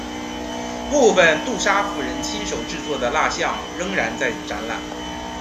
部分杜莎夫人亲手制作的蜡象仍然在展览。